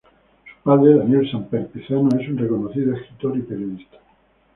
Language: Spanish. Su padre, Daniel Samper Pizano, es un reconocido escritor y periodista.